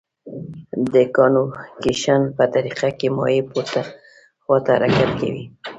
د کانویکشن په طریقه کې مایع پورته خواته حرکت کوي.